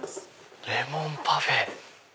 レモンパフェ。